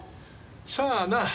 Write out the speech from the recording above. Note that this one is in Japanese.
さあな。